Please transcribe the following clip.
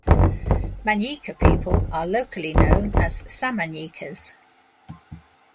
Manyika people are locally known as Samanyikas.